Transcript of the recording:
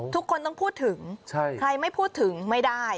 ทุกคนต้องพูดถึงใครไม่พูดถึงไม่ได้